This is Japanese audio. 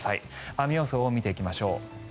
雨予想を見ていきましょう。